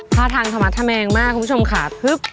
พระทางธมาธแมงมากคุณผู้ชมค่ะ